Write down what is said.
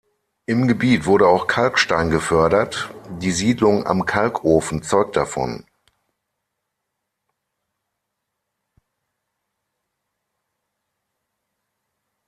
Im Gebiet wurde auch Kalkstein gefördert, die Siedlung „"Am Kalkofen"“ zeugt davon.